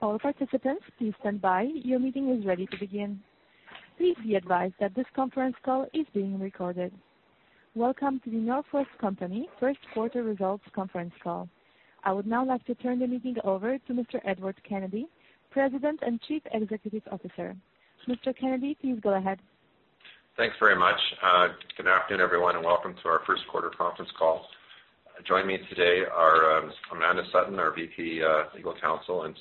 All participants, please stand by. Your meeting is ready to begin. Please be advised that this conference call is being recorded. Welcome to The North West Company Q1 results conference call. I would now like to turn the meeting over to Mr. Edward Kennedy, President and Chief Executive Officer. Mr. Kennedy, please go ahead. Thanks very much. Good afternoon, everyone, and welcome to our Q1 conference call. Joining me today are Amanda Sutton, our VP, Legal Counsel and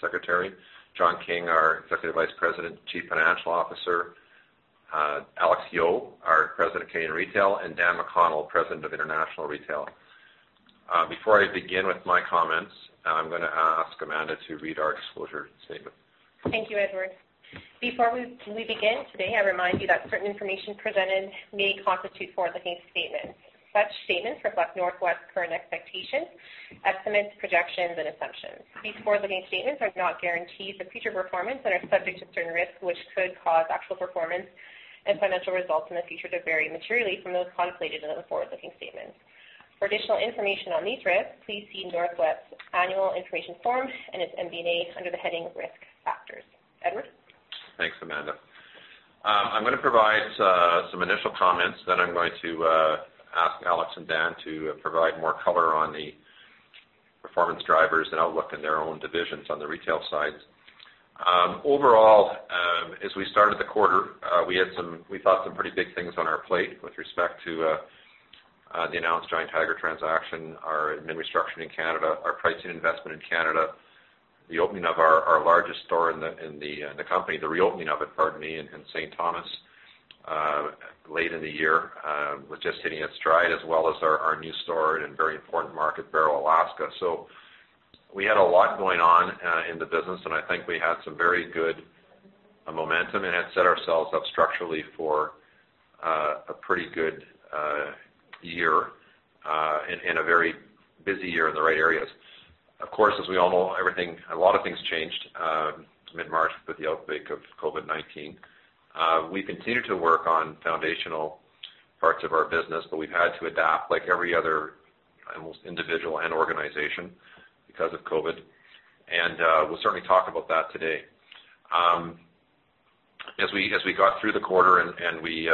Secretary, John King, our Executive Vice President, Chief Financial Officer, Alex Yeo, our President of Canadian Retail, and Dan McConnell, President of International Retail. Before I begin with my comments, I'm gonna ask Amanda to read our disclosure statement. Thank you, Edward. Before we begin today, I remind you that certain information presented may constitute forward-looking statements. Such statements reflect Northwest's current expectations, estimates, projections, and assumptions. These forward-looking statements are not guarantees of future performance and are subject to certain risks which could cause actual performance and financial results in the future to vary materially from those contemplated in the forward-looking statements. For additional information on these risks, please see Northwest's annual information form and its MD&A under the heading Risk Factors. Edward? Thanks, Amanda. I'm gonna provide some initial comments, then I'm going to ask Alex and Dan to provide more color on the performance drivers and outlook in their own divisions on the retail sides. Overall, as we started the quarter, we thought some pretty big things on our plate with respect to the announced Giant Tiger transaction, our admin restructuring in Canada, our pricing investment in Canada, the opening of our largest store in the company, the reopening of it, pardon me, in St. Thomas, late in the year, was just hitting its stride as well as our new store in a very important market, Barrow, Alaska. We had a lot going on in the business, and I think we had some very good momentum and had set ourselves up structurally for a pretty good year in a very busy year in the right areas. Of course, as we all know, a lot of things changed mid-March with the outbreak of COVID-19. We continued to work on foundational parts of our business, but we've had to adapt like every other almost individual and organization because of COVID, and we'll certainly talk about that today. As we got through the quarter and we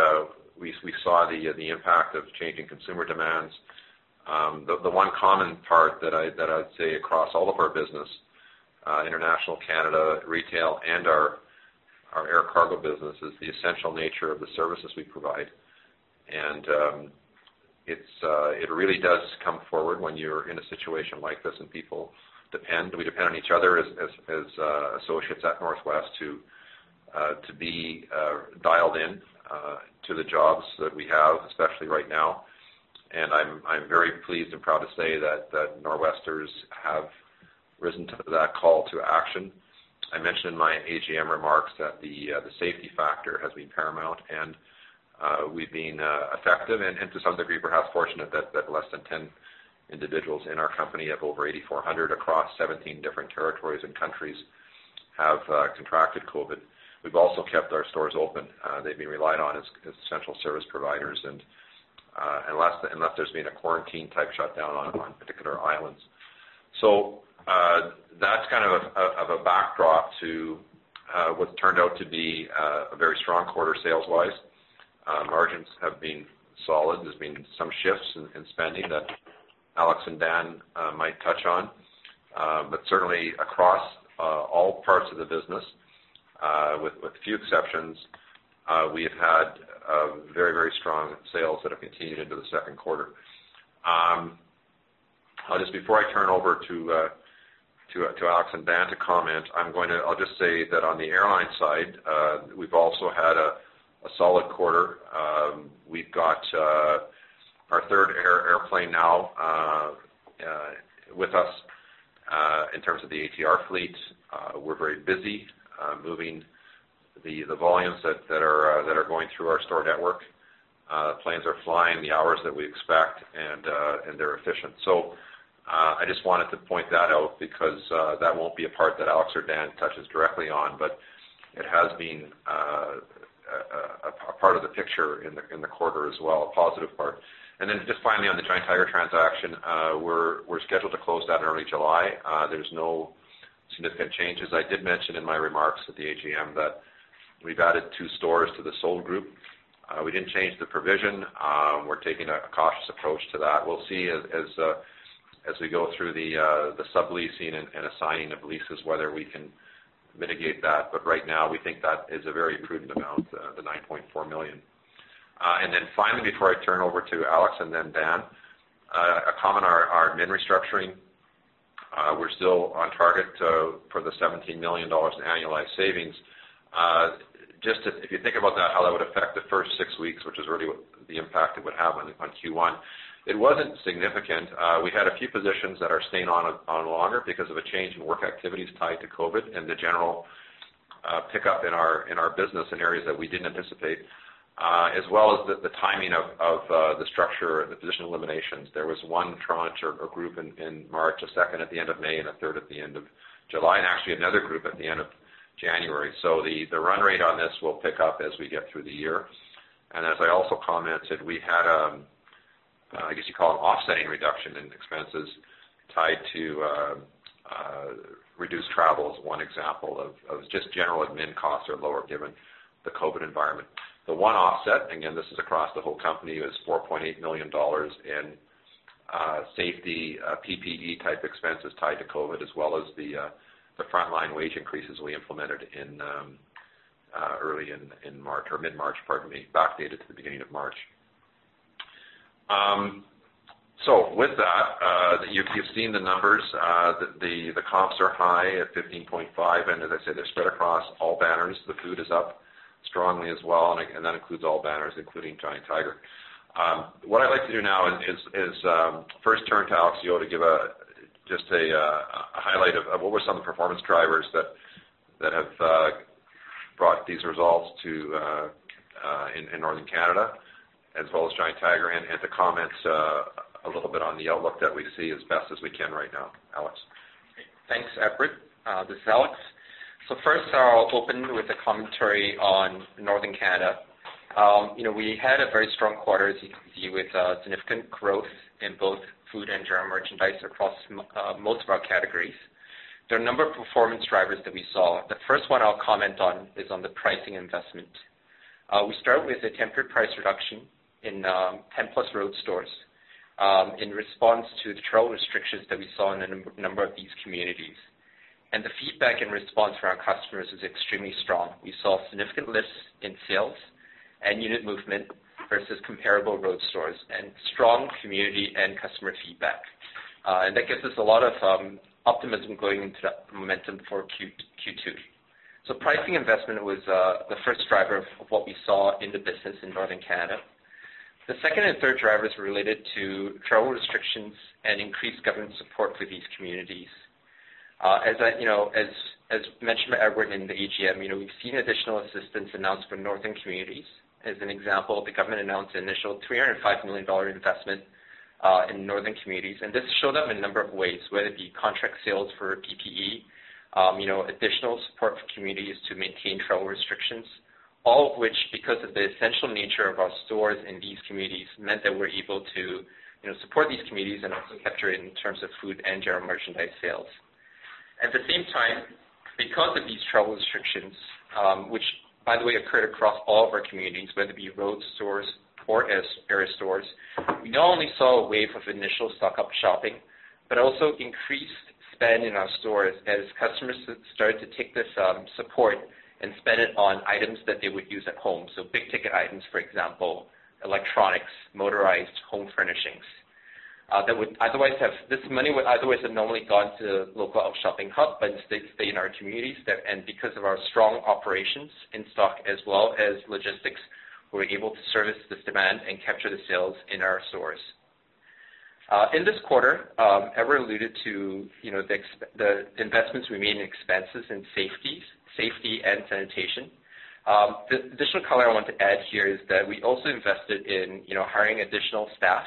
saw the impact of changing consumer demands, the one common part that I'd say across all of our business, International, Canada, Retail, and our air cargo business is the essential nature of the services we provide. It really does come forward when you're in a situation like this and people depend. We depend on each other as associates at Northwest to be dialed in to the jobs that we have, especially right now. I'm very pleased and proud to say that Northwesterners have risen to that call to action. I mentioned in my AGM remarks that the safety factor has been paramount and we've been effective and to some degree perhaps fortunate that less than 10 individuals in our company of over 8,400 across 17 different territories and countries have contracted COVID. We've also kept our stores open. They've been relied on as essential service providers and unless there's been a quarantine-type shutdown on particular islands. That's kind of a backdrop to what's turned out to be a very strong quarter sales-wise. Margins have been solid. There's been some shifts in spending that Alex and Dan might touch on. Certainly across all parts of the business with few exceptions, we have had very strong sales that have continued into the second quarter. Just before I turn over to Alex and Dan to comment, I'll just say that on the airline side, we've also had a solid quarter. We've got our third airplane now with us in terms of the ATR fleet. We're very busy moving the volumes that are going through our store network. Planes are flying the hours that we expect and they're efficient. I just wanted to point that out because that won't be a part that Alex or Dan touches directly on, but it has been a part of the picture in the quarter as well, a positive part. Just finally on the Giant Tiger transaction, we're scheduled to close that in early July. There's no significant changes. I did mention in my remarks at the AGM that we've added two stores to the sold group. We didn't change the provision. We're taking a cautious approach to that. We'll see as we go through the subleasing and assigning of leases whether we can mitigate that. Right now, we think that is a very prudent amount, the 9.4 million. Finally, before I turn over to Alex and Dan, a comment on our admin restructuring. We're still on target for the 17 million dollars in annualized savings. Just if you think about that, how that would affect the first six weeks, which is really what the impact it would have on Q1, it wasn't significant. We had a few positions that are staying longer because of a change in work activities tied to COVID and the general pickup in our business in areas that we didn't anticipate, as well as the timing of the structure, the position eliminations. There was one tranche or group in March, a second at the end of May, and a third at the end of July, and actually another group at the end of January. The run rate on this will pick up as we get through the year. As I also commented, we had, I guess you call it offsetting reduction in expenses tied to reduced travel is one example of just general admin costs are lower given the COVID environment. The one offset, again, this is across the whole company, was 4.8 million dollars in safety, PPE-type expenses tied to COVID, as well as the frontline wage increases we implemented in early in March or mid-March, pardon me, backdated to the beginning of March. You've seen the numbers, the comps are high at 15.5%, and as I said, they're spread across all banners. The food is up strongly as well, and that includes all banners, including Giant Tiger. What I'd like to do now is first turn to Alex Yeo to give just a highlight of what were some of the performance drivers that have brought these results to Northern Canada as well as Giant Tiger, and to comment a little bit on the outlook that we see as best as we can right now. Alex? Thanks, Edward. This is Alex. First I'll open with a commentary on Northern Canada. You know, we had a very strong quarter, as you can see, with significant growth in both food and general merchandise across most of our categories. There are a number of performance drivers that we saw. The first one I'll comment on is on the pricing investment. We started with a tempered price reduction in 10-plus road stores in response to the travel restrictions that we saw in a number of these communities. The feedback and response from our customers is extremely strong. We saw significant lifts in sales and unit movement versus comparable road stores and strong community and customer feedback. That gives us a lot of optimism going into that momentum for Q2. Pricing investment was the first driver of what we saw in the business in Northern Canada. The second and third drivers related to travel restrictions and increased government support for these communities. As I, you know, as mentioned by Edward in the AGM, you know, we've seen additional assistance announced for Northern communities. As an example, the government announced an initial 305 million dollar investment in Northern communities, and this showed up in a number of ways, whether it be contract sales for PPE, you know, additional support for communities to maintain travel restrictions, all of which, because of the essential nature of our stores in these communities, meant that we're able to, you know, support these communities and also capture it in terms of food and general merchandise sales. At the same time, because of these travel restrictions, which by the way occurred across all of our communities, whether it be road stores or air stores, we not only saw a wave of initial stock-up shopping, but also increased spend in our stores as customers started to take this support and spend it on items that they would use at home. Big-ticket items, for example, electronics, motorized home furnishings. This money would otherwise have normally gone to a local out-of-shopping hub, but instead stayed in our communities that, and because of our strong operations in stock as well as logistics, we were able to service this demand and capture the sales in our stores. In this quarter, Edward alluded to, you know, the investments we made in expenses in safety and sanitation. The additional color I want to add here is that we also invested in, you know, hiring additional staff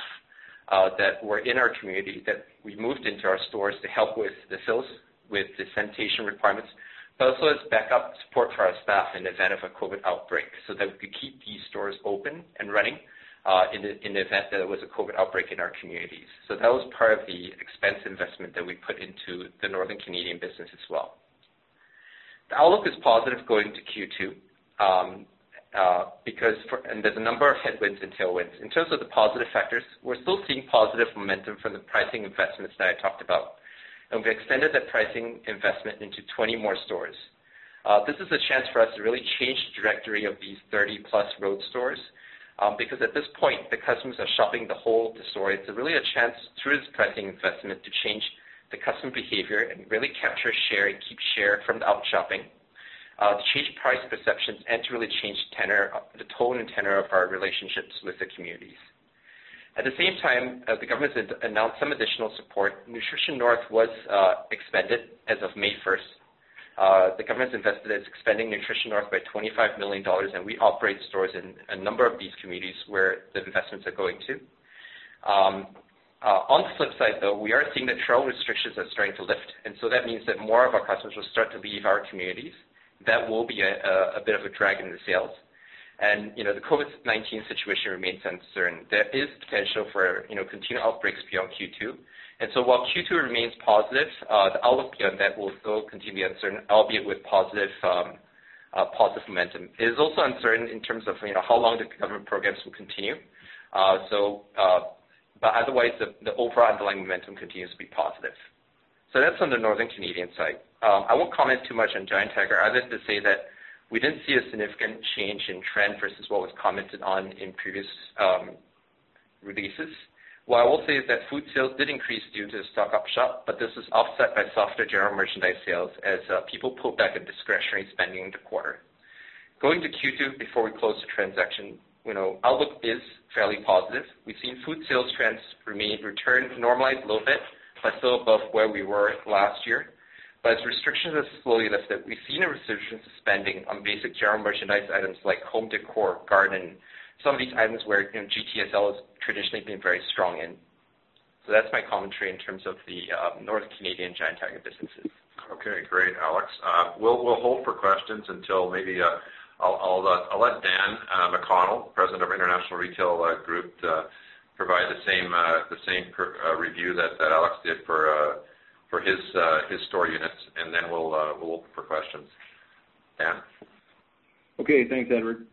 that were in our community that we moved into our stores to help with the sales, with the sanitation requirements, but also as backup support for our staff in event of a COVID outbreak, so that we could keep these stores open and running in the event that there was a COVID outbreak in our communities. That was part of the expense investment that we put into the Northern Canadian business as well. The outlook is positive going into Q2 because there's a number of headwinds and tailwinds. In terms of the positive factors, we're still seeing positive momentum from the pricing investments that I talked about, we extended that pricing investment into 20 more stores. This is a chance for us to really change the directory of these 30+ road stores, because at this point, the customers are shopping the whole of the store. It's really a chance through this pricing investment to change the customer behavior and really capture share and keep share from the out-of-shopping, to change price perceptions, and to really change the tenor, the tone and tenor of our relationships with the communities. At the same time, the government announced some additional support. Nutrition North was expanded as of May first. The government's invested, it's expanding Nutrition North by 25 million dollars, and we operate stores in a number of these communities where the investments are going to. On the flip side, though, we are seeing that travel restrictions are starting to lift, that means that more of our customers will start to leave our communities. That will be a bit of a drag into sales. You know, the COVID-19 situation remains uncertain. There is potential for, you know, continued outbreaks beyond Q2. While Q2 remains positive, the outlook beyond that will still continue to be uncertain, albeit with positive positive momentum. It is also uncertain in terms of, you know, how long the government programs will continue. Otherwise, the overall underlying momentum continues to be positive. That's on the Northern Canadian side. I won't comment too much on Giant Tiger other than to say that we didn't see a significant change in trend versus what was commented on in previous releases. What I will say is that food sales did increase due to the stock-up shop, but this was offset by softer general merchandise sales as people pulled back at discretionary spending in the quarter. Going to Q2 before we close the transaction, you know, outlook is fairly positive. We've seen food sales trends return to normalize a little bit, but still above where we were last year. As restrictions have slowly lifted, we've seen a resurgence of spending on basic general merchandise items like home decor, garden, some of these items where, you know, GTSL has traditionally been very strong in. That's my commentary in terms of the North Canadian Giant Tiger businesses. Okay, great, Alex. We'll hold for questions until maybe, I'll let Dan McConnell, President of International Retail Group, provide the same review that Alex did for his store units, and then we'll open for questions. Dan? Okay. Thanks, Edward.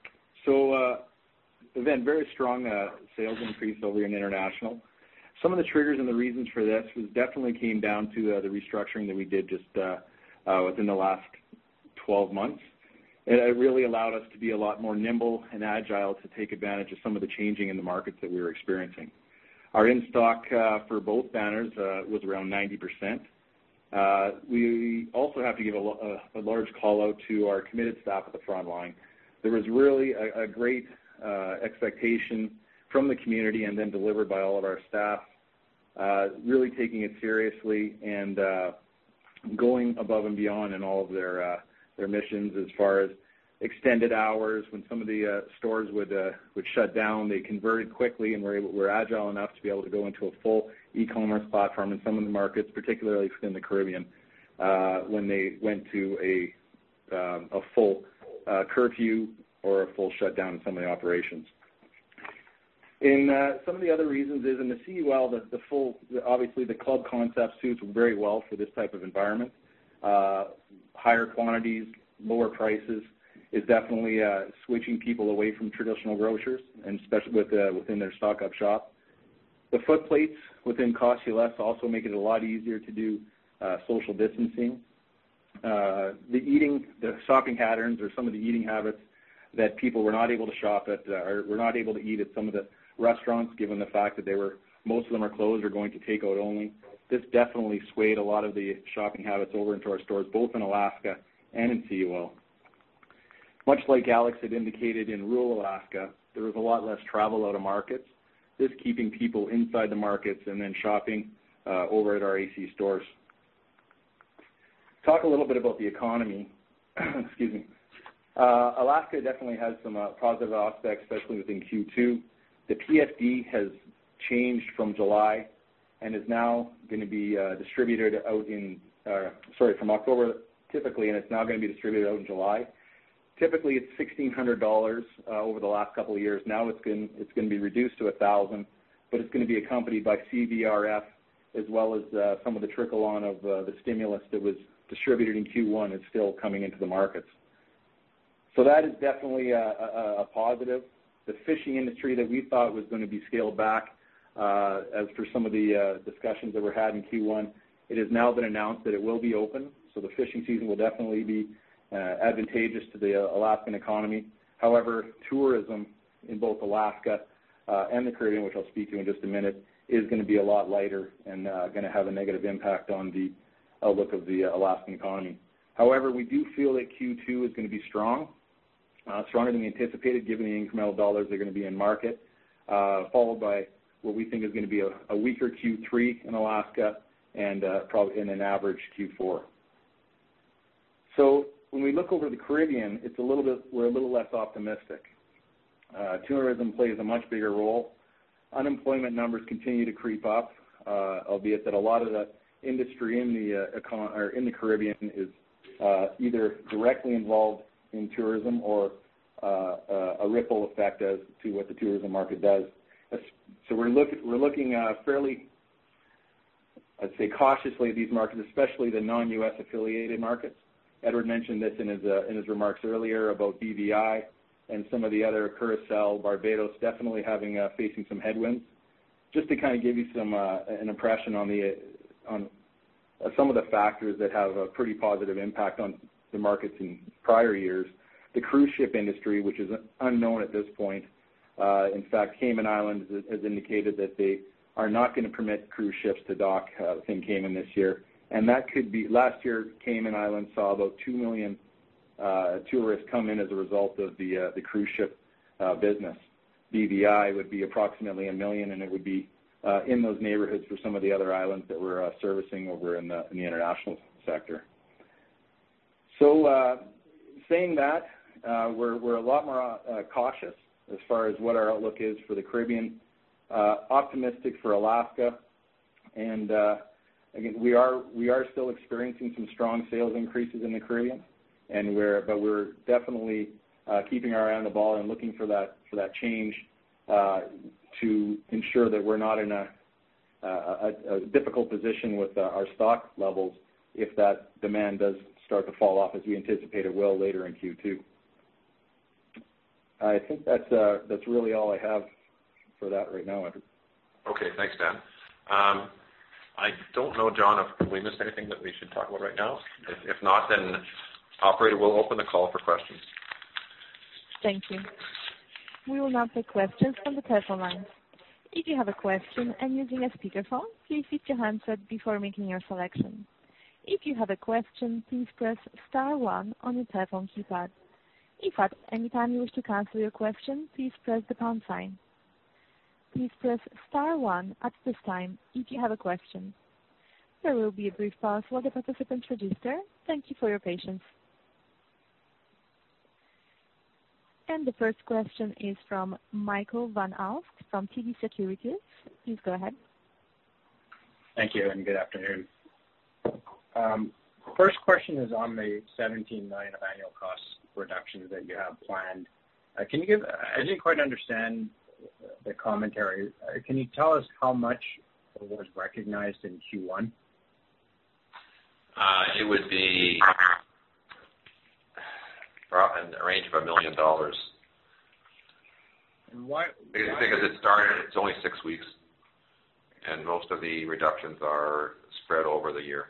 Again, very strong sales increase over in international. Some of the triggers and the reasons for this was definitely came down to the restructuring that we did just within the last 12 months. It really allowed us to be a lot more nimble and agile to take advantage of some of the changing in the markets that we were experiencing. Our in-stock for both banners was around 90%. We also have to give a large call-out to our committed staff at the front line. There was really a great expectation from the community and then delivered by all of our staff, really taking it seriously and going above and beyond in all of their missions as far as extended hours. When some of the stores would shut down, they converted quickly. We're agile enough to be able to go into a full e-commerce platform in some of the markets, particularly within the Caribbean, when they went to a full curfew or a full shutdown in some of the operations. Some of the other reasons is in the CUL, the full, obviously, the club concept suits very well for this type of environment. Higher quantities, lower prices is definitely switching people away from traditional grocers and especially with within their stock-up shop. The foot plates within Cost-U-Less also make it a lot easier to do social distancing. The eating, the shopping patterns or some of the eating habits that people were not able to shop at, or were not able to eat at some of the restaurants, given the fact that most of them are closed or going to take-out only. This definitely swayed a lot of the shopping habits over into our stores, both in Alaska and in CUL. Much like Alex had indicated in rural Alaska, there was a lot less travel out of markets, just keeping people inside the markets and then shopping over at our AC stores. Talk a little bit about the economy. Excuse me. Alaska definitely has some positive aspects, especially within Q2. The PFD has changed from July and is now gonna be distributed out in, sorry, from October, typically, and it's now gonna be distributed out in July. Typically, it's $1,600 over the last couple of years. Now it's gonna be reduced to $1,000, but it's gonna be accompanied by CVRF as well as some of the trickle-on of the stimulus that was distributed in Q1 that's still coming into the markets. That is definitely a positive. The fishing industry that we thought was gonna be scaled back, as per some of the discussions that were had in Q1, it has now been announced that it will be open, so the fishing season will definitely be advantageous to the Alaskan economy. However, tourism in both Alaska and the Caribbean, which I'll speak to in just a minute, is gonna be a lot lighter and gonna have a negative impact on the outlook of the Alaskan economy. We do feel that Q2 is gonna be strong, stronger than we anticipated, given the incremental dollars that are gonna be in market, followed by what we think is gonna be a weaker Q3 in Alaska and an average Q4. When we look over the Caribbean, we're a little less optimistic. Tourism plays a much bigger role. Unemployment numbers continue to creep up, albeit that a lot of the industry in the Caribbean is either directly involved in tourism or a ripple effect as to what the tourism market does. We're looking fairly, I'd say, cautiously at these markets, especially the non-US affiliated markets. Edward mentioned this in his remarks earlier about BVI and some of the other, Curaçao, Barbados definitely having facing some headwinds. Just to kind of give you some an impression on the on some of the factors that have a pretty positive impact on the markets in prior years, the cruise ship industry, which is unknown at this point. In fact, Cayman Islands has indicated that they are not gonna permit cruise ships to dock in Cayman this year. Last year, Cayman Islands saw about 2 million tourists come in as a result of the cruise ship business. BVI would be approximately 1 million, and it would be in those neighborhoods for some of the other islands that we're servicing over in the international sector. Saying that, we're a lot more cautious as far as what our outlook is for the Caribbean. Optimistic for Alaska and again, we are still experiencing some strong sales increases in the Caribbean, but we're definitely keeping our eye on the ball and looking for that change to ensure that we're not in a difficult position with our stock levels if that demand does start to fall off, as we anticipate it will later in Q2. I think that's really all I have for that right now, Edward. Okay, thanks, Dan. I don't know, John, if we missed anything that we should talk about right now. If, if not, then operator will open the call for questions. Thank you. We will now take questions from the telephone lines. If you have a question and using a speakerphone, please mute your handset before making your selection. If you have a question, please press star one on your telephone keypad. If at any time you wish to cancel your question, please press the pound sign. Please press star one at this time if you have a question. There will be a brief pause while the participants register. Thank you for your patience. The first question is from Michael Van Aelst from TD Securities. Please go ahead. Thank you. Good afternoon. First question is on the 17 million of annual cost reductions that you have planned. I didn't quite understand the commentary. Can you tell us how much was recognized in Q1? It would be in the range of 1 million dollars. And why, why- Because it started, it's only six weeks, and most of the reductions are spread over the year.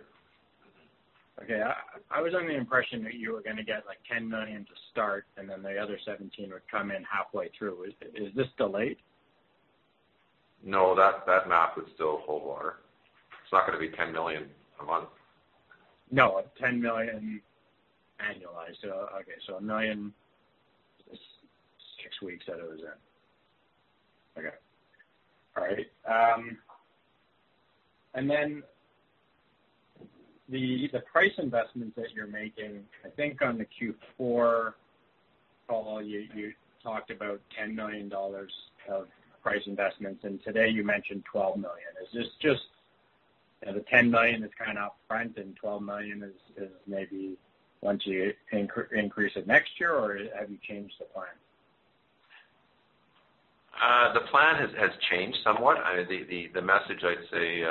Okay. I was under the impression that you were going to get, like, 10 million to start, and then the other 17 million would come in halfway through. Is this delayed? No, that math would still hold water. It's not going to be 10 million a month. No, 10 million annualized. Okay, so 1 million six weeks that it was in. Okay. All right. The price investments that you're making, I think on the Q4 call, you talked about 10 million dollars of price investments, and today you mentioned 12 million. Is this just, you know, the 10 million is kind of upfront and 12 million is maybe once you increase it next year, or have you changed the plan? The plan has changed somewhat. The message I'd say,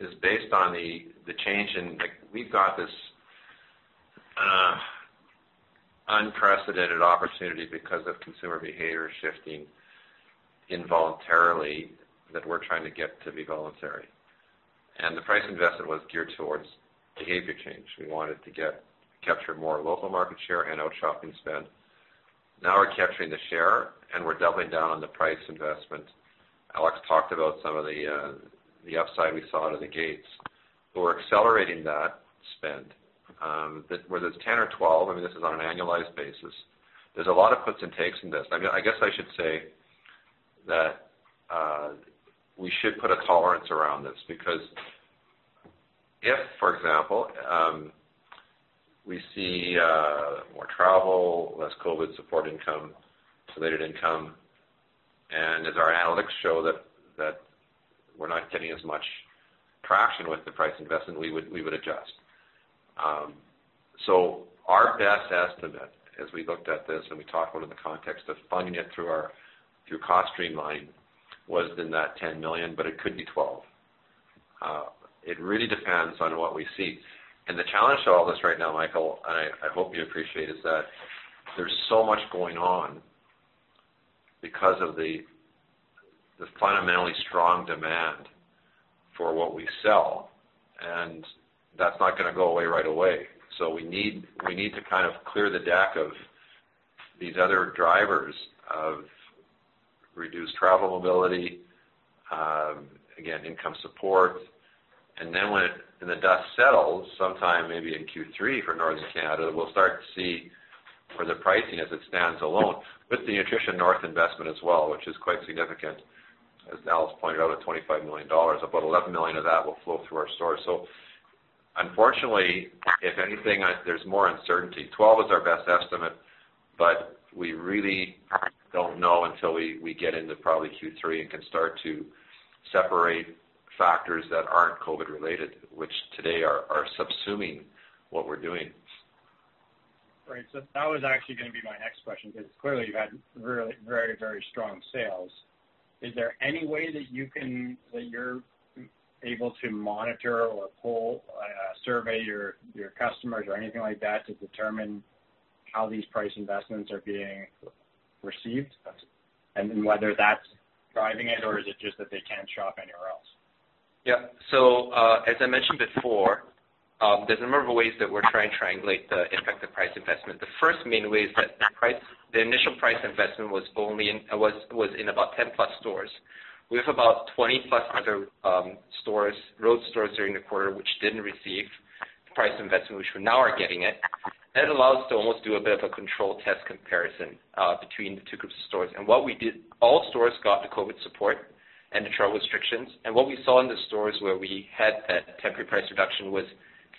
is based on the change in like we've got this unprecedented opportunity because of consumer behavior shifting involuntarily that we're trying to get to be voluntary. The price investment was geared towards behavior change. We wanted to capture more local market share and outshopping spend. Now we're capturing the share, and we're doubling down on the price investment. Alex talked about some of the upside we saw out of the gates. We're accelerating that spend. Whether it's 10 or 12, I mean, this is on an annualized basis. There's a lot of puts and takes in this. I mean, I guess I should say that we should put a tolerance around this because if, for example, we see more travel, less COVID support income, insulated income, and as our analytics show that we're not getting as much traction with the price investment, we would adjust. Our best estimate as we looked at this and we talked about it in the context of funding it through our, through cost streamline was in that 10 million, but it could be 12 million. It really depends on what we see. The challenge to all this right now, Michael, and I hope you appreciate, is that there's so much going on because of the fundamentally strong demand for what we sell, and that's not gonna go away right away. We need to kind of clear the deck of these other drivers of reduced travel mobility, again, income support. Then when the dust settles, sometime maybe in Q3 for Northern Canada, we'll start to see for the pricing as it stands alone with the Nutrition North investment as well, which is quite significant, as Alex pointed out, at 25 million dollars. About 11 million of that will flow through our stores. Unfortunately, if anything, there's more uncertainty. 12 is our best estimate, but we really don't know until we get into probably Q3 and can start to separate factors that aren't COVID-related, which today are subsuming what we're doing. Right. That was actually gonna be my next question, because clearly you've had really very, very strong sales. Is there any way that you're able to monitor or poll, survey your customers or anything like that to determine how these price investments are being received and whether that's driving it or is it just that they can't shop anywhere else? As I mentioned before, there's a number of ways that we're trying to triangulate the effective price investment. The first main way is that the initial price investment was in about 10+ stores. We have about 20+ other stores, road stores during the quarter which didn't receive the price investment, which now are getting it. That allows us to almost do a bit of a control test comparison between the two groups of stores. What we did, all stores got the COVID support and the travel restrictions. What we saw in the stores where we had that temporary price reduction was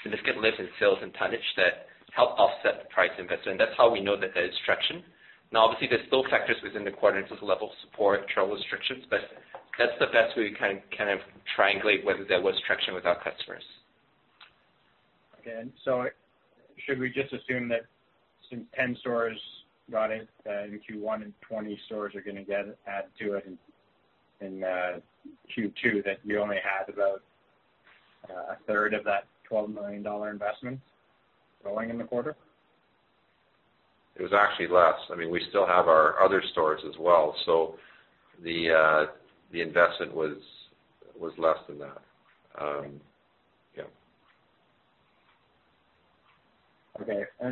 significant lift in sales and tonnage that helped offset the price investment. That's how we know that there is traction. Obviously, there's still factors within the quarter in terms of level of support, travel restrictions, but that's the best way we can kind of triangulate whether there was traction with our customers. Okay. should we just assume that since 10 stores got it in Q1 and 20 stores are gonna get it, add to it in Q2, that you only had about a third of that 12 million dollar investment going in the quarter? It was actually less. I mean, we still have our other stores as well. The investment was less than that. Okay. I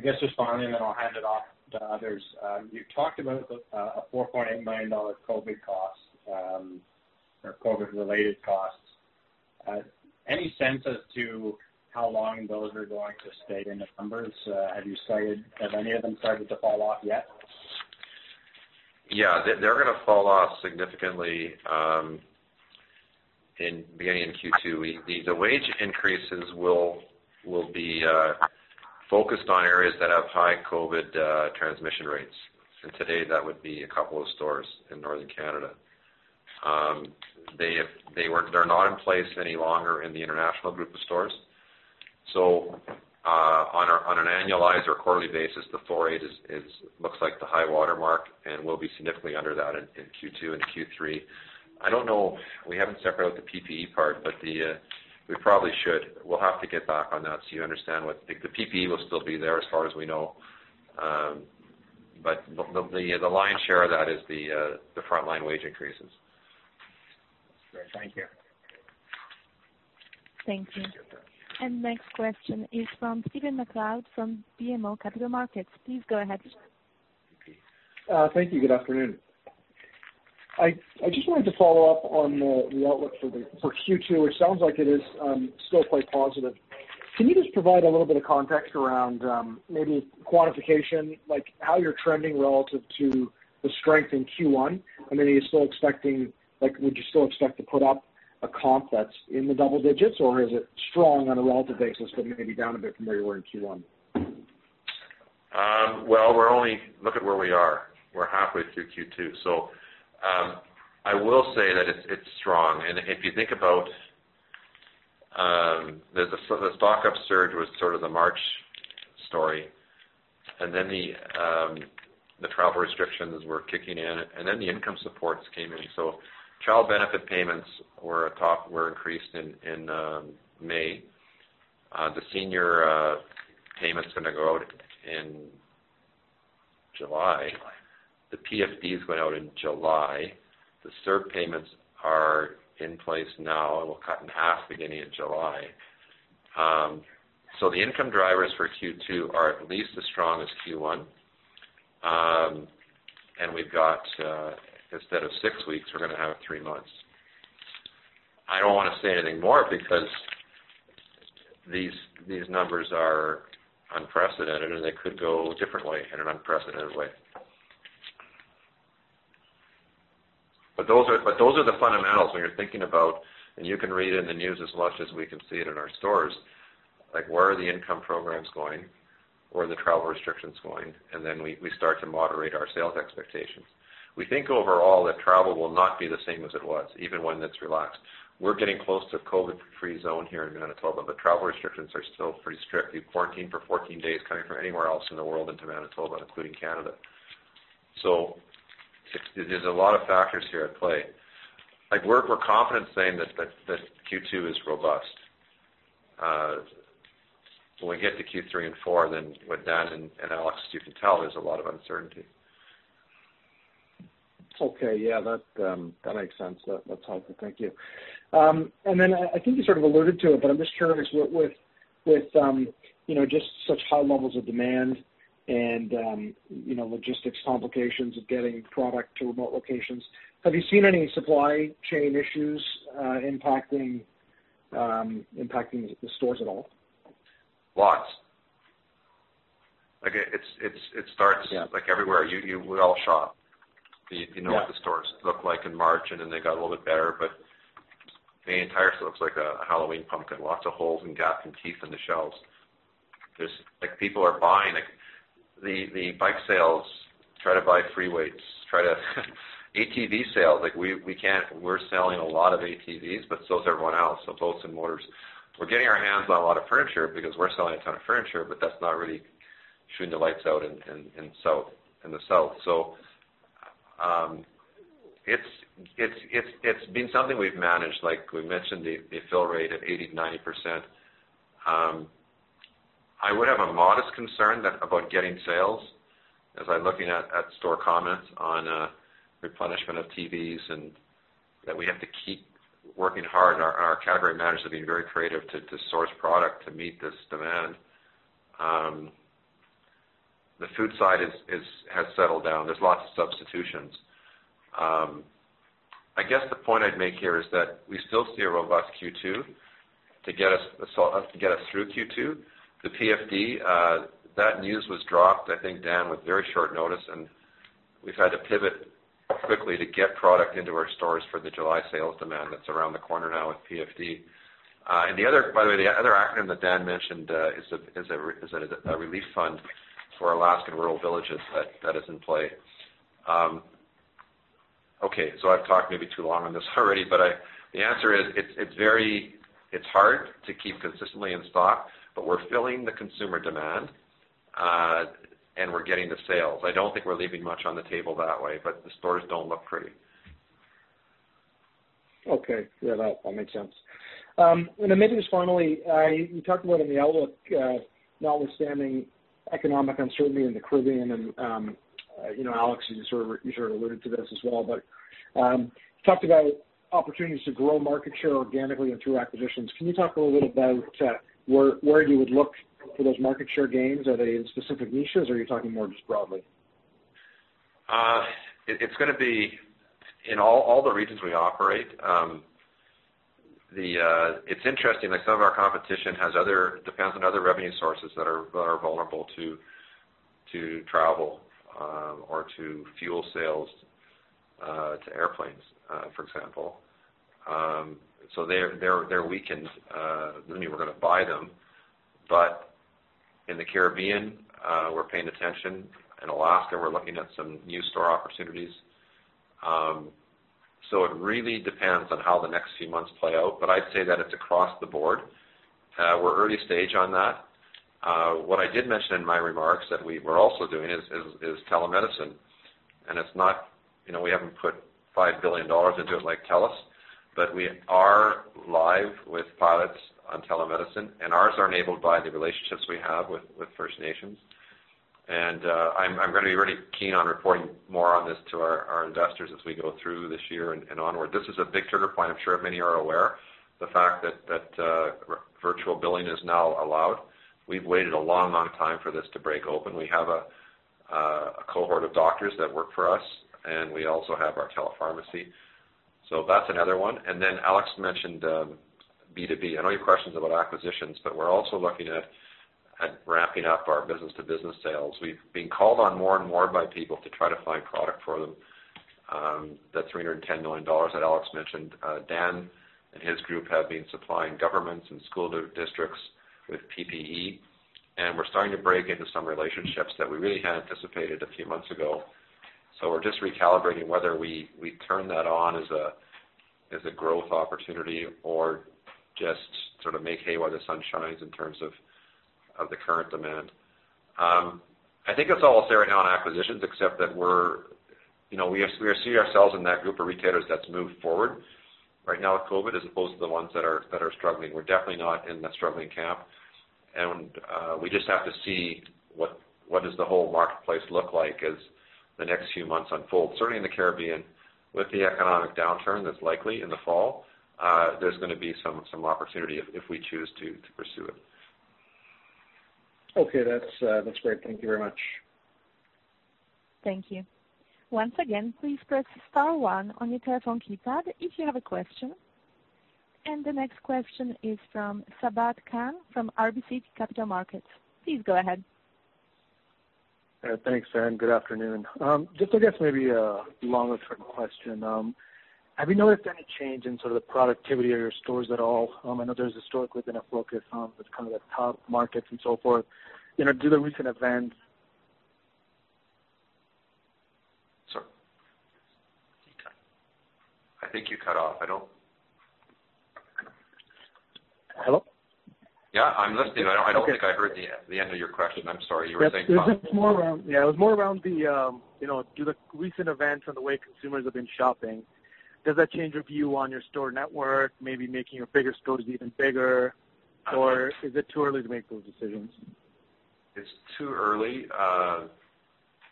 guess just finally, and then I'll hand it off to others. You talked about the 4.8 million dollar COVID cost, or COVID-related costs. Any sense as to how long those are going to stay in the numbers? Have any of them started to fall off yet? Yeah, they're gonna fall off significantly, in beginning in Q2. The wage increases will be focused on areas that have high COVID transmission rates. Today, that would be a couple of stores in Northern Canada. They're not in place any longer in the international group of stores. On a, on an annualized or quarterly basis, the four agent is looks like the high watermark, and we'll be significantly under that in Q2 and Q3. I don't know, we haven't separated out the PPE part, but the, we probably should. We'll have to get back on that so you understand what the. The PPE will still be there as far as we know. But the lion's share of that is the frontline wage increases. Great. Thank you. Thank you. You're welcome. Next question is from Stephen MacLeod from BMO Capital Markets. Please go ahead. Thank you. Good afternoon. I just wanted to follow up on the outlook for Q2, which sounds like it is still quite positive. Can you just provide a little bit of context around maybe quantification, like how you're trending relative to the strength in Q1? I mean, are you still expecting, like would you still expect to put up a comp that's in the double digits, or is it strong on a relative basis, but maybe down a bit from where you were in Q1? Well, we're only look at where we are. We're halfway through Q2. I will say that it's strong. If you think about the stock-up surge was sort of the March story, and then the travel restrictions were kicking in, and then the income supports came in. Child benefit payments were increased in May. The senior payment's gonna go out in July. The PFDs went out in July. The CERB payments are in place now and will cut in half beginning in July. The income drivers for Q2 are at least as strong as Q1. We've got instead of six weeks, we're gonna have three months. I don't wanna say anything more because these numbers are unprecedented, and they could go differently in an unprecedented way. Those are the fundamentals when you're thinking about, and you can read it in the news as much as we can see it in our stores. Like, where are the income programs going? Where are the travel restrictions going? We start to moderate our sales expectations. We think overall that travel will not be the same as it was, even when it's relaxed. We're getting close to COVID-free zone here in Manitoba, but travel restrictions are still pretty strict. You quarantine for 14 days coming from anywhere else in the world into Manitoba, including Canada. There's a lot of factors here at play. Like, we're confident saying that Q2 is robust. When we get to Q3 and 4, with Dan and Alex, as you can tell, there's a lot of uncertainty. Okay. Yeah. That makes sense. That's helpful. Thank you. Then I think you sort of alluded to it, but I'm just curious with, you know, just such high levels of demand and, you know, logistics complications of getting product to remote locations, have you seen any supply chain issues impacting the stores at all? Lots. Like it's. Yeah. like everywhere. You, we all shop. You know. Yeah. -what the stores looked like in March, and then they got a little bit better, but the entire store looks like a Halloween pumpkin, lots of holes and gaps and teeth in the shelves. There's like, people are buying, like the bike sales, try to buy free weights, try to ATV sales. Like we're selling a lot of ATVs, but so is everyone else, so boats and motors. We're getting our hands on a lot of furniture because we're selling a ton of furniture, but that's not really shooting the lights out in South, in the South. It's been something we've managed, like we mentioned the fill rate at 80-90%. I would have a modest concern about getting sales as I'm looking at store comments on replenishment of TVs and that we have to keep working hard and our category managers are being very creative to source product to meet this demand. The food side has settled down. There's lots of substitutions. I guess the point I'd make here is that we still see a robust Q2 to get us through Q2. The PFD that news was dropped, I think, Dan, with very short notice, we've had to pivot quickly to get product into our stores for the July sales demand that's around the corner now with PFD. The other, by the way, the other acronym that Dan mentioned is a relief fund for Alaskan rural villages that is in play. I've talked maybe too long on this already, but the answer is it's very hard to keep consistently in stock, but we're filling the consumer demand and we're getting the sales. I don't think we're leaving much on the table that way, but the stores don't look pretty. Okay. Yeah, that makes sense. Maybe just finally, you talked about in the outlook, notwithstanding economic uncertainty in the Caribbean and, you know, Alex, you sort of alluded to this as well, but talked about opportunities to grow market share organically and through acquisitions. Can you talk a little about, where you would look for those market share gains? Are they in specific niches, or are you talking more just broadly? It's gonna be in all the regions we operate. It's interesting that some of our competition depends on other revenue sources that are vulnerable to travel or to fuel sales to airplanes, for example. They're weakened. Doesn't mean we're gonna buy them. In the Caribbean, we're paying attention. In Alaska, we're looking at some new store opportunities. It really depends on how the next few months play out, but I'd say that it's across the board. We're early stage on that. What I did mention in my remarks that we were also doing is telemedicine. It's not, you know, we haven't put 5 billion dollars into it like Telus, but we are live with pilots on telemedicine, and ours are enabled by the relationships we have with First Nations. I'm gonna be really keen on reporting more on this to our investors as we go through this year and onward. This is a big trigger point. I'm sure many are aware the fact that virtual billing is now allowed. We've waited a long, long time for this to break open. We have a cohort of doctors that work for us, and we also have our telepharmacy. That's another one. Alex mentioned B2B. I know you have questions about acquisitions, but we're also looking at ramping up our business to business sales. We've been called on more and more by people to try to find product for them. That 310 million dollars that Alex mentioned, Dan and his group have been supplying governments and school districts with PPE. We're starting to break into some relationships that we really hadn't anticipated a few months ago. We're just recalibrating whether we turn that on as a, as a growth opportunity or just sort of make hay while the sun shines in terms of the current demand. I think it's all I'll say right now on acquisitions except that we're, you know, we are see ourselves in that group of retailers that's moved forward right now with COVID as opposed to the ones that are struggling. We're definitely not in the struggling camp. We just have to see what does the whole marketplace look like as the next few months unfold. Certainly in the Caribbean with the economic downturn that's likely in the fall, there's gonna be some opportunity if we choose to pursue it. Okay. That's great. Thank you very much. Thank you. Once again, please press star one on your telephone keypad if you have a question. The next question is from Sabahat Khan from RBC Capital Markets. Please go ahead. Thanks, Anne. Good afternoon. Just I guess maybe a longer-term question. Have you noticed any change in sort of the productivity of your stores at all? I know there's historically been a focus on the kind of the top markets and so forth. You know, due to recent events. Sorry. I think you cut off. Hello? Yeah, I'm listening. I don't think I heard the end of your question. I'm sorry. You were saying? It was more around, yeah, it was more around the, you know, do the recent events and the way consumers have been shopping, does that change your view on your store network, maybe making your bigger stores even bigger, or is it too early to make those decisions? It's too early. You know,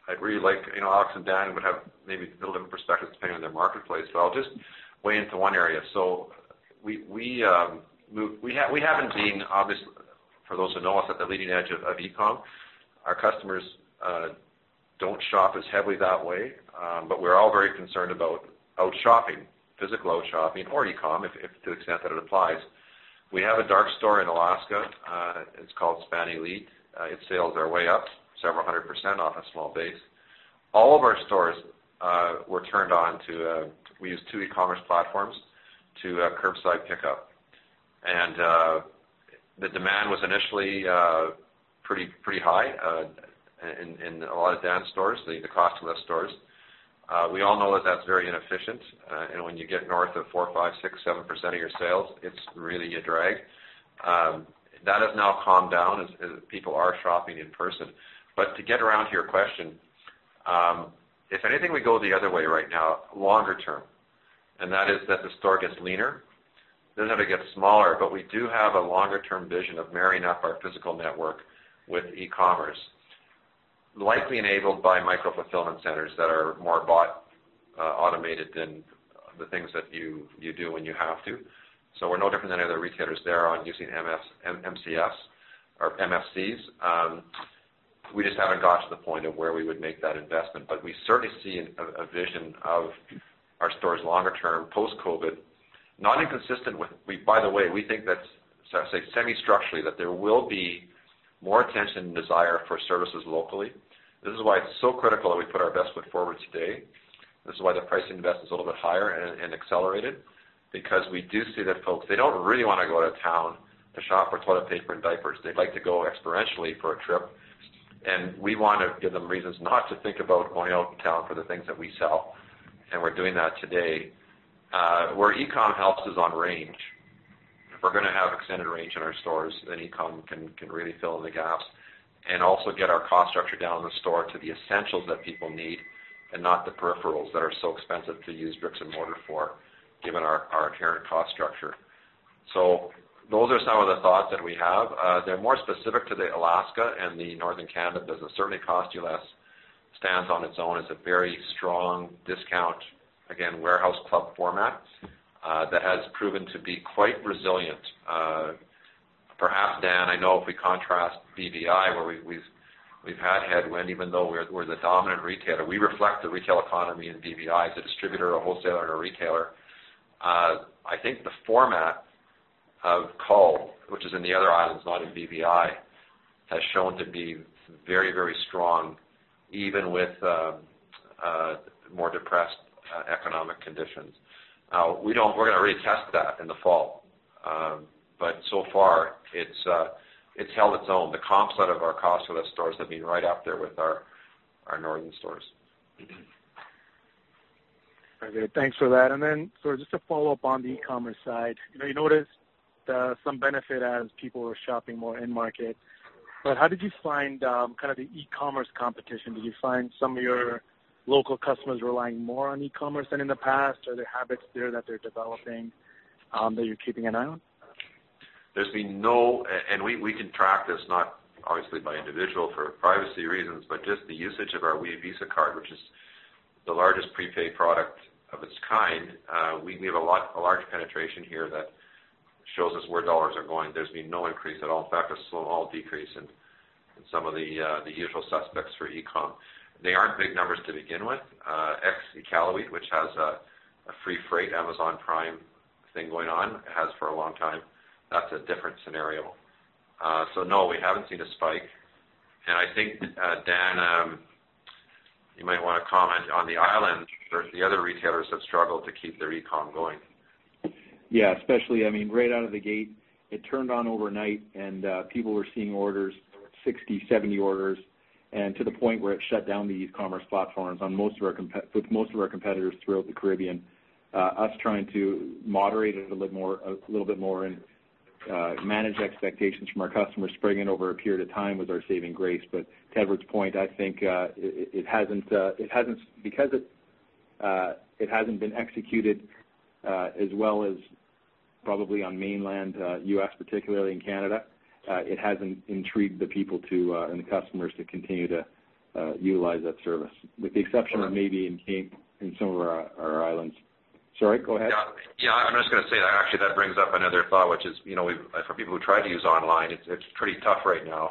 Alex Yeo and Dan McConnell would have maybe a little different perspective depending on their marketplace. I'll just weigh into one area. We haven't been obviously for those who know us at the leading edge of e-com. Our customers don't shop as heavily that way, but we're all very concerned about out shopping, physical out shopping or e-com if to the extent that it applies. We have a dark store in Alaska, it's called Span Elite. Its sales are way up several hundred percent off a small base. All of our stores were turned on to, we use two e-commerce platforms to curbside pickup. The demand was initially pretty high in a lot of down stores, the Cost-U-Less stores. We all know that that's very inefficient. When you get north of 4, 5, 6, 7% of your sales, it's really a drag. That has now calmed down as people are shopping in person. To get around to your question, if anything, we go the other way right now, longer term, and that is that the store gets leaner, doesn't have to get smaller, but we do have a longer-term vision of marrying up our physical network with e-commerce. Likely enabled by micro fulfillment centers that are more bot automated than the things that you do when you have to. We're no different than any other retailers there on using MFCs or MFCs. We just haven't got to the point of where we would make that investment. We certainly see a vision of our stores longer term post-COVID, not inconsistent with. By the way, we think that's, say, semi-structurally, that there will be more attention and desire for services locally. This is why it's so critical that we put our best foot forward today. This is why the price invest is a little bit higher and accelerated because we do see that folks, they don't really wanna go to town to shop for toilet paper and diapers. They'd like to go experientially for a trip, and we wanna give them reasons not to think about going out to town for the things that we sell, and we're doing that today. Where e-com helps is on range. If we're gonna have extended range in our stores, then e-com can really fill in the gaps and also get our cost structure down in the store to the essentials that people need and not the peripherals that are so expensive to use bricks and mortar for, given our inherent cost structure. Those are some of the thoughts that we have. They're more specific to the Alaska and the Northern Canada business. Cost-U-Less stands on its own as a very strong discount, again, warehouse club format, that has proven to be quite. I know if we contrast BVI, where we've had headwind, even though we're the dominant retailer, we reflect the retail economy in BVI as a distributor, a wholesaler, and a retailer. I think the format of CUL, which is in the other islands, not in BVI, has shown to be very, very strong even with more depressed economic conditions. We're gonna retest that in the fall. Far it's held its own. The comp set of our Cost-U-Less stores have been right up there with our northern stores. Okay, thanks for that. Then sort of just to follow up on the e-commerce side, you know, you noticed some benefit as people were shopping more in market, but how did you find kind of the e-commerce competition? Did you find some of your local customers relying more on e-commerce than in the past? Are there habits there that they're developing that you're keeping an eye on? There's been no. We can track this, not obviously by individual for privacy reasons, but just the usage of our We Visa card, which is the largest prepaid product of its kind. We have a large penetration here that shows us where dollars are going. There's been no increase at all. In fact, a small decrease in some of the usual suspects for e-com. They aren't big numbers to begin with. Ex Iqaluit, which has a free freight Amazon Prime thing going on, has for a long time. That's a different scenario. No, we haven't seen a spike. I think Dan, you might wanna comment on the island or the other retailers have struggled to keep their e-com going. Yeah, especially, I mean, right out of the gate it turned on overnight and people were seeing orders, 60, 70 orders and to the point where it shut down the e-commerce platforms on most of our with most of our competitors throughout the Caribbean. Us trying to moderate it a little more, a little bit more and manage expectations from our customers springing over a period of time was our saving grace. To Edward's point, I think, it hasn't because it hasn't been executed as well as probably on mainland, US, particularly in Canada, it hasn't intrigued the people to and the customers to continue to utilize that service with the exception of maybe in some of our islands. Sorry, go ahead. Yeah. Yeah, I'm just gonna say that actually that brings up another thought, which is, you know, we've. For people who try to use online, it's pretty tough right now.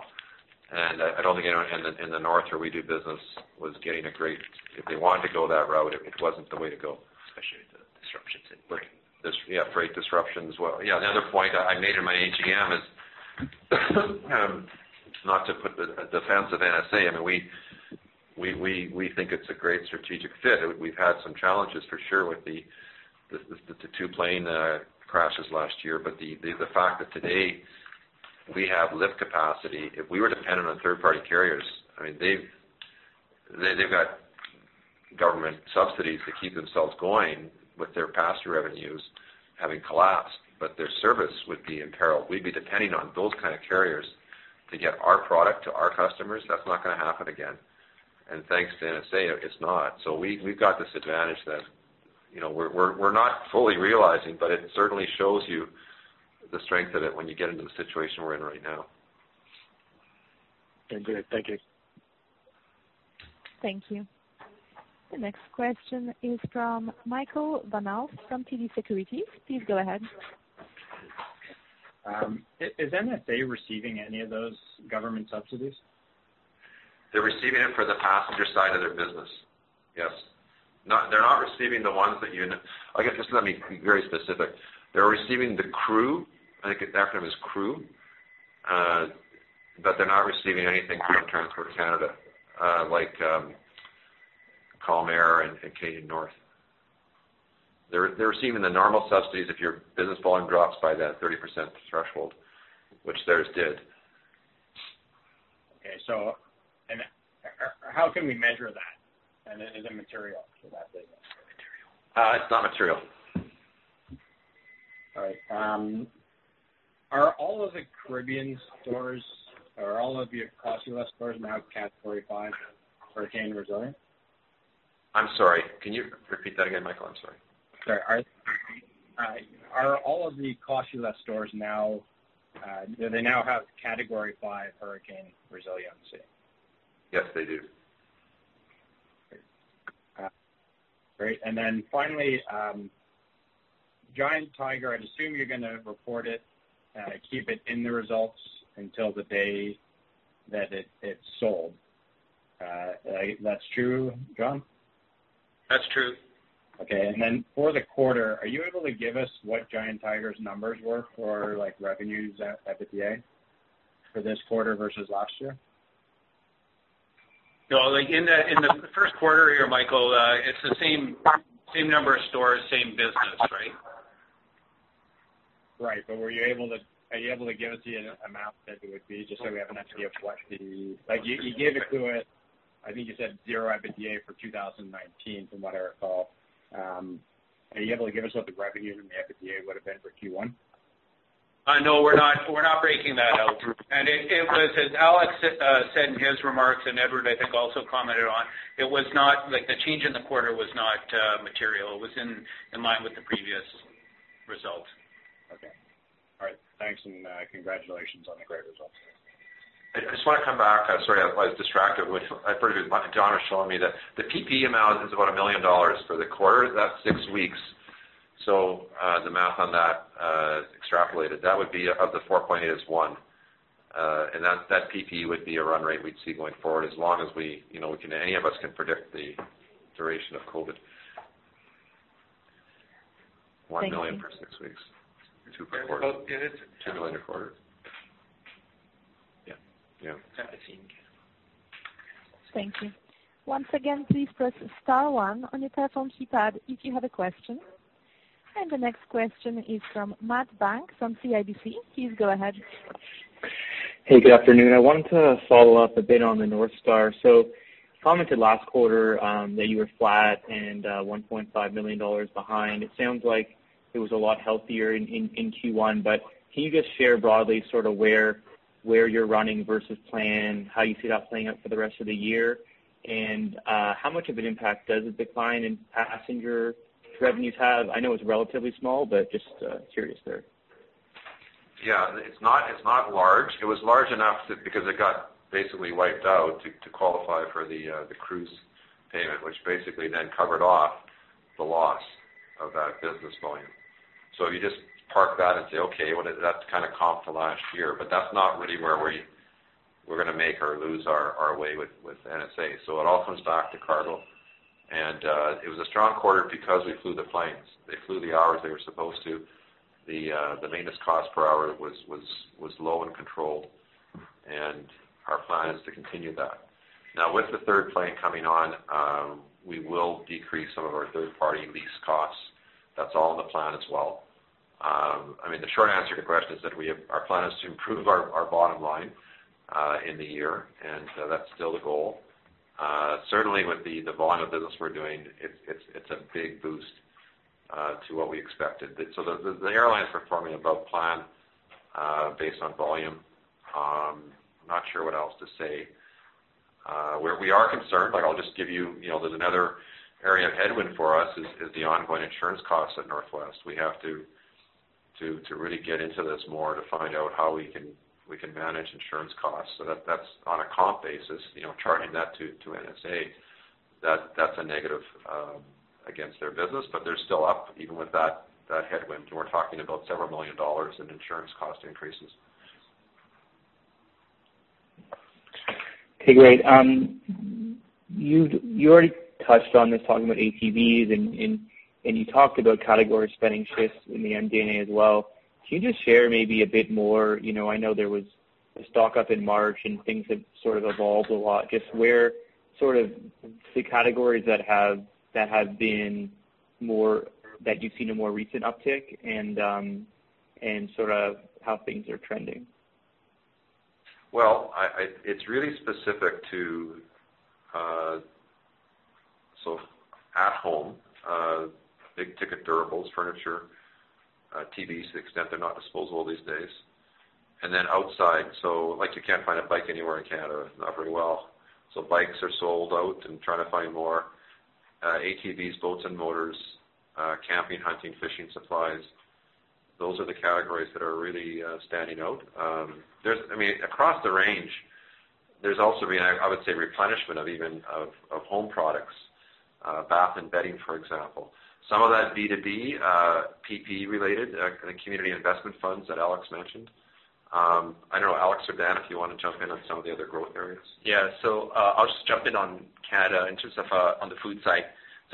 I don't think anyone in the north where we do business was getting a great. If they wanted to go that route, it wasn't the way to go. Especially with the disruptions in freight. Yeah, freight disruption as well. Yeah, another point I made in my AGM is, not to put the defense of NSA, I mean, we think it's a great strategic fit. We've had some challenges for sure with the two plane crashes last year. The fact that today we have lift capacity, if we were dependent on third party carriers, I mean, they've got government subsidies to keep themselves going with their passenger revenues having collapsed, but their service would be in peril. We'd be depending on those kind of carriers to get our product to our customers. That's not gonna happen again. Thanks to NSA, it's not. We've got this advantage that, you know, we're not fully realizing, but it certainly shows you the strength of it when you get into the situation we're in right now. Okay, great. Thank you. Thank you. The next question is from Michael Van Aelst from TD Securities. Please go ahead. Is NSA receiving any of those government subsidies? They're receiving it for the passenger side of their business, yes. I guess just let me be very specific. They're receiving the CRWU. I think the acronym is CRWU. They're not receiving anything from Transport Canada, like Calm Air and Canadian North. They're receiving the normal subsidies if your business volume drops by that 30% threshold, which theirs did. Okay. How can we measure that? Is it material for that business? It's not material. All right. Are all of the Caribbean stores or all of your Cost-U-Less stores now have Category 5 hurricane resilience? I'm sorry, can you repeat that again, Michael? I'm sorry. Sorry. Are all of the Cost-U-Less stores now, do they now have Category 5 hurricane resiliency? Yes, they do. Great. Great. Finally, Giant Tiger, I'd assume you're gonna report it, keep it in the results until the day that it's sold. That's true, John? That's true. Okay. Then for the quarter, are you able to give us what Giant Tiger's numbers were for like revenues, EBITDA for this quarter versus last year? No, like in the, in the Q1 here, Michael, it's the same number of stores, same business, right? Right. Are you able to give us the amount that it would be just so we have an idea of what the... Like you gave it to it. I think you said 0 EBITDA for 2019 from what I recall. Are you able to give us what the revenues and the EBITDA would've been for Q1? No, we're not, we're not breaking that out. It was, as Alex said in his remarks, and Edward I think also commented on, it was not like the change in the quarter was not material. It was in line with the previous results. Okay. All right. Thanks. Congratulations on the great results. I'm sorry, I was distracted. Which I forget, John was showing me that the PPE amount is about $1 million for the quarter. That's six weeks. The math on that, extrapolated, that would be of the 4.8 is 1. That PPE would be a run rate we'd see going forward as long as we, you know, any of us can predict the duration of COVID. Thank you. 1 million for six weeks. 2.4 million. 2 million a quarter. Yeah. Yeah. Thank you. Once again, please press star one on your telephone keypad if you have a question. The next question is from Mark Petrie from CIBC. Please go ahead. Hey, good afternoon. I wanted to follow up a bit on NorthStar.So commented last quarter, that you were flat and 1.5 million dollars behind. It sounds like it was a lot healthier in Q1. Can you just share broadly sort of where you're running versus plan? How you see that playing out for the rest of the year? How much of an impact does the decline in passenger revenues have? I know it's relatively small, but just curious there. Yeah, it's not, it's not large. It was large enough because it got basically wiped out to qualify for the cruise payment, which basically then covered off the loss of that business volume. You just park that and say, "Okay, well that's kinda comp to last year." That's not really where we're gonna make or lose our way with NSA. It all comes back to cargo. It was a strong quarter because we flew the planes. They flew the hours they were supposed to. The maintenance cost per hour was low and controlled. Our plan is to continue that. Now, with the third plane coming on, we will decrease some of our third-party lease costs. That's all in the plan as well. I mean, the short answer to your question is that our plan is to improve our bottom line in the year, and that's still the goal. Certainly with the volume of business we're doing, it's, it's a big boost to what we expected. The airline's performing above plan based on volume. Not sure what else to say. Where we are concerned, like I'll just give you know, there's another area of headwind for us is the ongoing insurance costs at Northwest. We have to really get into this more to find out how we can, we can manage insurance costs. That, that's on a comp basis, you know, charging that to NSA. That, that's a negative against their business. They're still up even with that headwind. We're talking about several million CAD in insurance cost increases. Okay, great. You already touched on this talking about ATVs and you talked about category spending shifts in the MD&A as well. Can you just share maybe a bit more? You know, I know there was the stock up in March and things have sort of evolved a lot. Just where sort of the categories that have been more or that you've seen a more recent uptick and sort of how things are trending. Well, I... It's really specific to, so at home, big ticket durables, furniture, TVs to the extent they're not disposable these days, and then outside. Like, you can't find a bike anywhere in Canada, not very well. Bikes are sold out and trying to find more, ATVs, boats and motors, camping, hunting, fishing supplies. Those are the categories that are really standing out. I mean, across the range, there's also been a, I would say, replenishment of even of home products, bath and bedding, for example. Some of that B2B, PPE related, the community investment funds that Alex mentioned. I don't know, Alex or Dan, if you wanna jump in on some of the other growth areas. Yeah. I'll just jump in on Canada in terms of on the food side.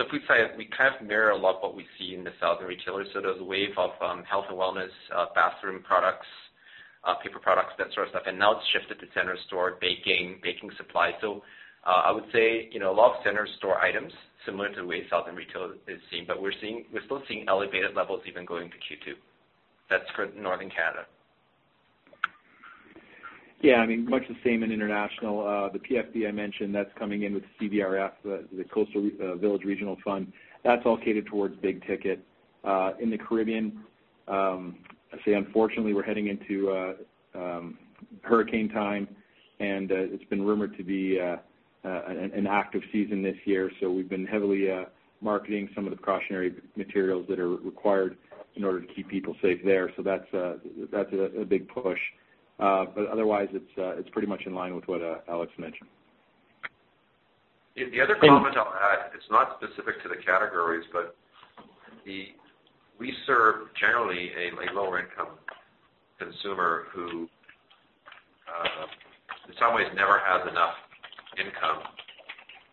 Food side, we kind of mirror a lot what we see in the southern retailers. There's a wave of health and wellness, bathroom products, paper products, that sort of stuff, and now it's shifted to center store baking supplies. I would say, you know, a lot of center store items, similar to the way southern retail is seeing, but we're seeing, we're still seeing elevated levels even going to Q2. That's for Northern Canada. Yeah, I mean, much the same in international. The PFD I mentioned, that's coming in with the CVRF, the Coastal Villages Regional Fund. That's all catered towards big ticket. In the Caribbean, I'd say unfortunately, we're heading into hurricane time and it's been rumored to be an active season this year. We've been heavily marketing some of the precautionary materials that are required in order to keep people safe there. That's a big push. Otherwise it's pretty much in line with what Alex mentioned. The other comment I'll add, it's not specific to the categories, but we serve generally a lower income consumer who, in some ways never has enough income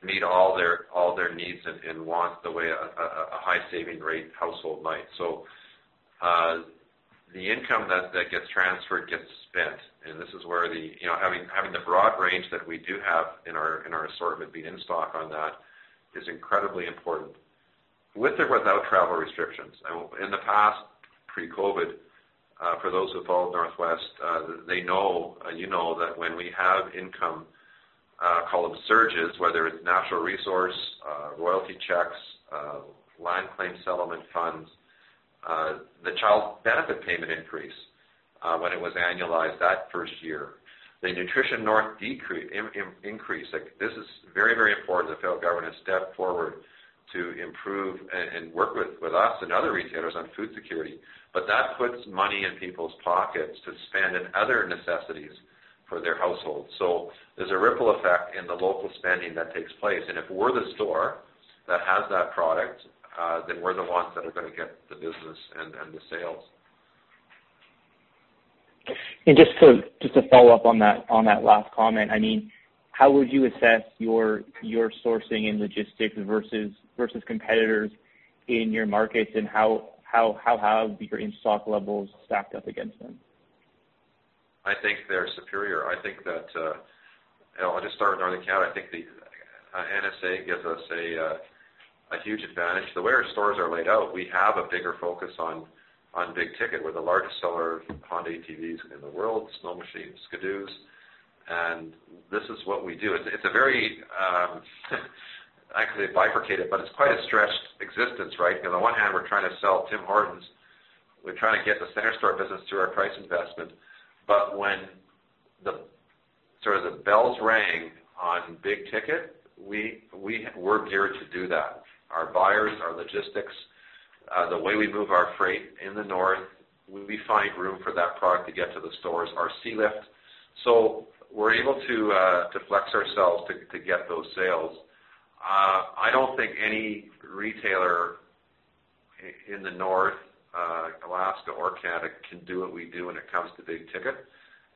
to meet all their needs and wants the way a high saving rate household might. The income that gets transferred gets spent. This is where the, you know, having the broad range that we do have in our assortment being in stock on that is incredibly important with or without travel restrictions. In the past pre-COVID, for those who followed Northwest, they know, you know that when we have income, call them surges, whether it's natural resource, royalty checks, land claim settlement funds, the child benefit payment increase, when it was annualized that first year, the Nutrition North increase. Very, very important that the federal government step forward to improve and work with us and other retailers on food security. That puts money in people's pockets to spend in other necessities for their households. There's a ripple effect in the local spending that takes place. If we're the store that has that product, then we're the ones that are gonna get the business and the sales. Just to follow up on that last comment, I mean, how would you assess your sourcing and logistics versus competitors in your markets? How have your in-stock levels stacked up against them? I think they're superior. I think that, you know, I'll just start with Northern Canada. I think the NSA gives us a huge advantage. The way our stores are laid out, we have a bigger focus on big ticket. We're the largest seller of Honda ATVs in the world, snow machines, Ski-Doos, and this is what we do. It's, it's a very, actually bifurcated, but it's quite a stretched existence, right? You know, on one hand, we're trying to sell Tim Hortons. We're trying to get the center store business through our price investment. But when the sort of the bells rang on big ticket, we're geared to do that. Our buyers, our logistics, the way we move our freight in the North, we find room for that product to get to the stores, our sealift. We're able to flex ourselves to get those sales. I don't think any retailer in the North, Alaska or Canada can do what we do when it comes to big ticket,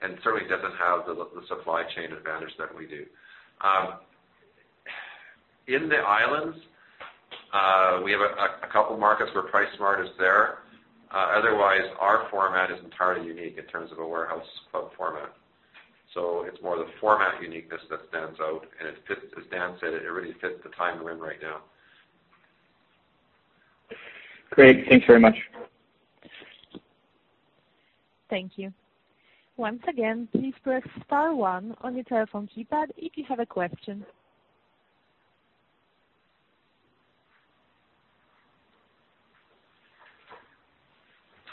and certainly doesn't have the supply chain advantage that we do. In the Islands, we have a couple markets where PriceSmart is there. Otherwise, our format is entirely unique in terms of a warehouse club format. It's more the format uniqueness that stands out, and it fits, as Dan said, it really fits the time we're in right now. Great. Thanks very much. Thank you. Once again, please press star one on your telephone keypad if you have a question.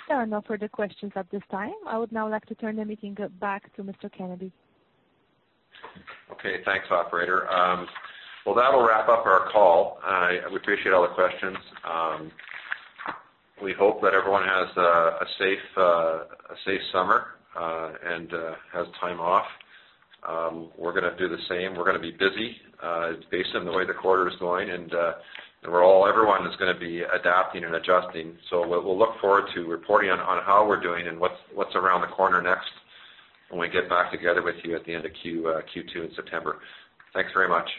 There are no further questions at this time. I would now like to turn the meeting back to Mr. Kennedy. Okay, thanks, operator. Well, that'll wrap up our call. We appreciate all the questions. We hope that everyone has a safe summer, and has time off. We're gonna do the same. We're gonna be busy, based on the way the quarter is going, and everyone is gonna be adapting and adjusting. We'll look forward to reporting on how we're doing and what's around the corner next when we get back together with you at the end of Q2 in September. Thanks very much.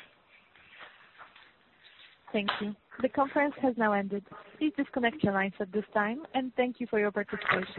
Thank you. The conference has now ended. Please disconnect your lines at this time, and thank you for your participation.